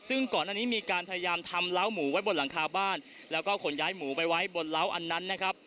ซึ่งก่อนอันนี้มีการพยายามทำเล้าหมูไว้บนหลังคาบ้านแล้วก็ขนย้ายหมูไปไว้บนเล้าอันนั้นนะครับ